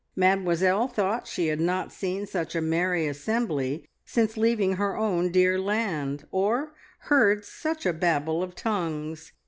Mademoiselle thought that she had not seen such a merry assembly since leaving her own dear land, or heard such a babel of tongues.